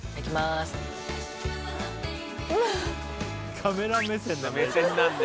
カメラ目線なんだ。